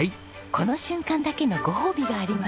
この瞬間だけのご褒美があります。